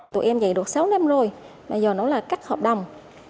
tụi em dạy được sáu năm rồi bây giờ nó là cắt hợp đồng